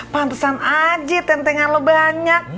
pantesan aja tentengan lo banyak